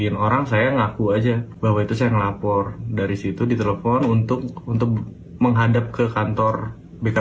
husein mengatakan bahwa dia tidak bisa membayar uang untuk kepentingan acara latihan dasar guru muda